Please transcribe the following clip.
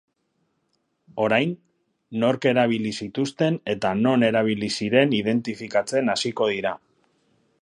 Orain, nork erabili zituzten eta non erabili ziren identifikatzen hasiko dira.